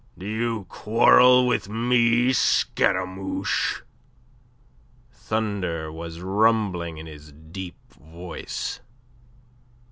"Do you want to quarrel with me, Scaramouche?" Thunder was rumbling in his deep voice.